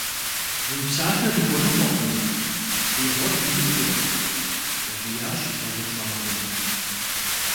Уи псалъэ дыхуэныкъуэкъым, уи гъуэгу ирикӀуэ! – щӀэкӀиящ лӀыр щӀалэм.